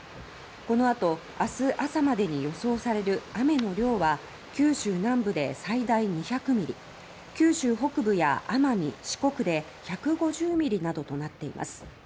このあと、明日朝までに予想される雨の量は九州南部で最大２００ミリ九州北部や奄美、四国で１５０ミリなどとなっています。